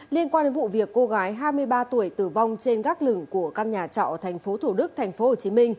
liên quan đến vụ việc cô gái hai mươi ba tuổi tử vong trên gác lửng của căn nhà trọ ở tp thủ đức tp hcm